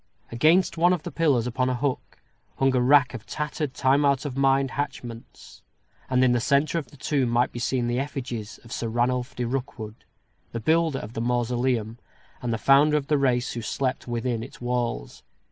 Against one of the pillars, upon a hook, hung a rack of tattered, time out of mind hatchments; and in the centre of the tomb might be seen the effigies of Sir Ranulph de Rokewode, the builder of the mausoleum, and the founder of the race who slept within its walls.